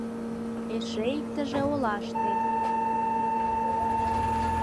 Эше иктыже олаште.